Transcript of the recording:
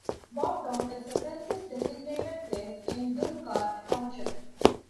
Bobtown is a census-designated place in Dunkard Township.